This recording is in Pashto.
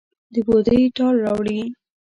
د بوډۍ ټال راوړي